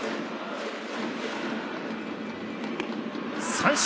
三振！